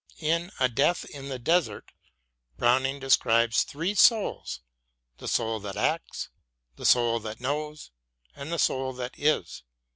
In " A Death in the Desert " Browning describes three souls : the soul that acts ; the soul that knows ; and the soul that Is.